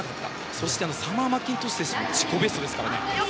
そしてサマー・マッキントッシュも自己ベストですからね。